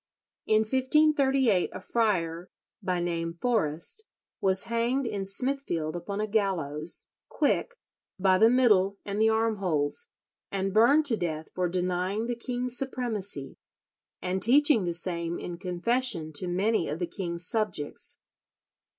In 1538 a friar, by name Forrest, was hanged in Smithfield upon a gallows, quick, by the middle and the arm holes, and burned to death for denying the king's supremacy and teaching the same in confession to many of the king's subjects.